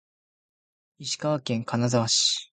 石川県金沢市